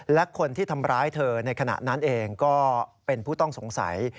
และคนที่ทำร้ายเธอในขณะนั้นเองก็เป็นผู้ต้องสงสัย